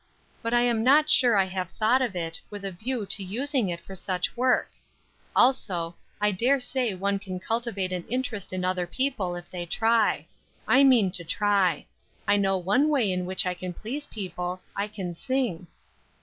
But I am not sure I have thought of it, with a view to using it for such work; also, I dare say one can cultivate an interest in other people if they try. I mean to try. I know one way in which I can please people, I can sing."